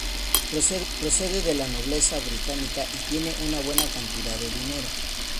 Procede de la nobleza británica y tiene una buena cantidad de dinero.